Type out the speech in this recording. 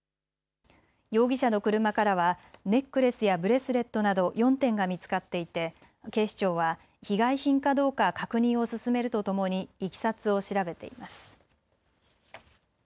容疑者の車からはネックレスやブレスレットなど４点が見つかっていて警視庁は被害品かどうか確認を進めるとともにいきさつを調べています。